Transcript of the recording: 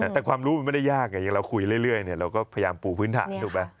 แต่ความรู้มันไม่ได้ยากอย่างเราคุยเรื่อยเราก็พยายามปูพื้นฐานถูกไหม